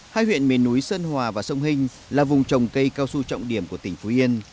hai huyện miền núi sơn hòa và sông hinh là vùng trồng cây cao su trọng điểm của tỉnh phú yên